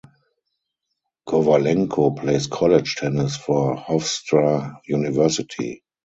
Kovalenko plays college tennis for Hofstra University.